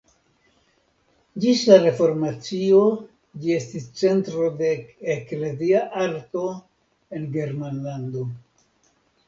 Ĝis la Reformacio ĝi estis centro de eklezia arto en Germanlando.